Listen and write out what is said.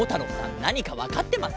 なにかわかってます？